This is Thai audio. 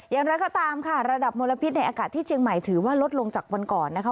อย่างไรก็ตามค่ะระดับมลพิษในอากาศที่เชียงใหม่ถือว่าลดลงจากวันก่อนนะคะ